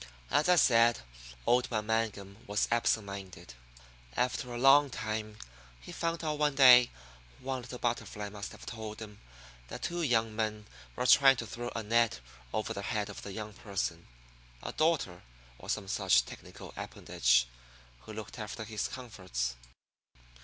As I said, old man Mangum was absent minded. After a long time he found out one day a little butterfly must have told him that two young men were trying to throw a net over the head of the young person, a daughter, or some such technical appendage, who looked after his comforts.